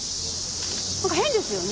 なんか変ですよね？